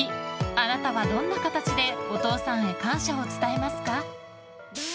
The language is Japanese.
あなたはどんな形でお父さんへ感謝を伝えますか。